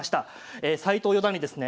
え斎藤四段にですね